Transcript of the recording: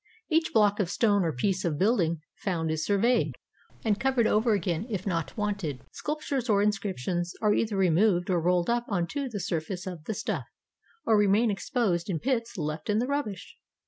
Each block of stone or piece of build ing found is surveyed, and covered over again if not wanted ; sculptures or inscriptions are either removed or rolled up on to the surface of the stuff, or remain exposed in pits left in the rubbish.